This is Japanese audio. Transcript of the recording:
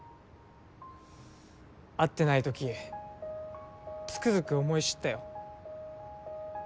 会ってないときつくづく思い知ったよ。